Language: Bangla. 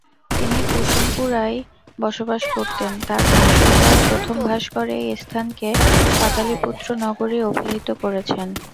তিনি কুসুমপুরায়ই বসবাস করতেন, তার ভাষ্যকার প্রথম ভাস্কর এই স্থানকে পাটালিপুত্র নগরী অভিহিত করেছেন।